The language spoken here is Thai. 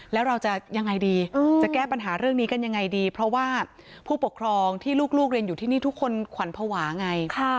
แล้วเราจะยังไงดีจะแก้ปัญหาเรื่องนี้กันยังไงดีเพราะว่าผู้ปกครองที่ลูกเรียนอยู่ที่นี่ทุกคนขวัญภาวะไง